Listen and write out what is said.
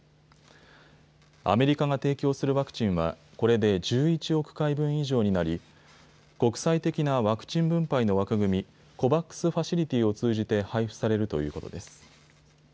アメリカが提供するワクチンはこれで１１億回分以上になり国際的なワクチン分配の枠組み、ＣＯＶＡＸファシリティを通じて配布されるということです。